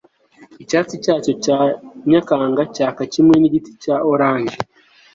Icyatsi cyacyo cya Nyakanga cyaka kimwe nigiti cya orange